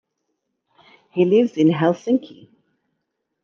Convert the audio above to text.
He lives in Helsinki.